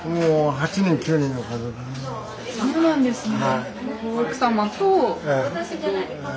そうなんですね。